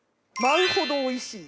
舞うほどおいしい！